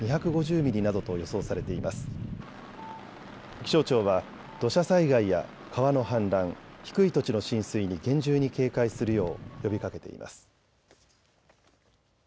気象庁は土砂災害や川の氾濫、低い土地の浸水に厳重に警戒するよう呼びかけています。